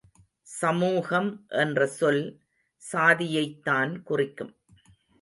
சமூகம் என்ற சொல் சாதியைத்தான் குறிக்கும்.